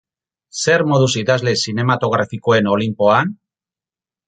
Zer moduz idazle zinematografikoen olinpoan?